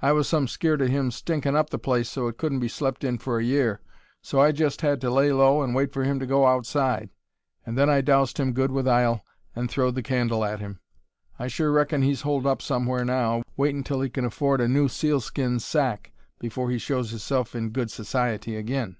I was some skeered of him stinkin' up the place so it couldn't be slept in for a year, so I jest had to lay low and wait for him to go outside, and then I doused him good with ile and throwed the candle at him. I sure reckon he's holed up somewhere now, waitin' till he can afford a new sealskin sacque before he shows hisself in good sassiety ag'in."